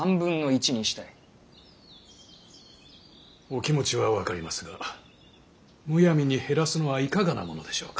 お気持ちは分かりますがむやみに減らすのはいかがなものでしょうか。